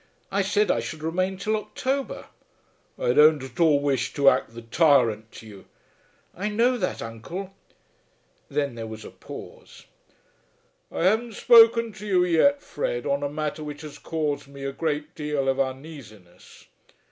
I said I should remain till October." "I don't at all wish to act the tyrant to you." "I know that, uncle." Then there was a pause. "I haven't spoken to you yet, Fred, on a matter which has caused me a great deal of uneasiness.